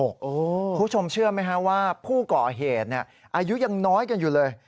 คุณผู้ชมเชื่อไหมฮะว่าผู้ก่อเหตุอายุยังน้อยกันอยู่เลย